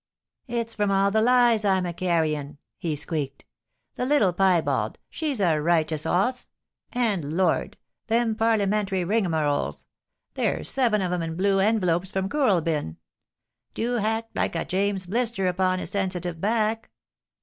* It's from all the lies I'm a carryin',' he squeaked. * The little piebald, she's a righteous 'oss ; and Lord ! them Parlia mentary rigmaroles — there's seven of 'cm in blue envelopes from Kooralbyn — do hact like a James's blister upon a sensitive back.'